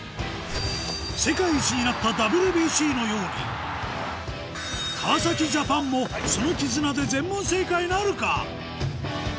世界一になったＷＢＣのように川ジャパンもその絆で全問正解なるか？